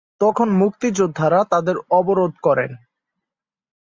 তখন মুক্তিযোদ্ধারা তাদের অবরোধ করেন।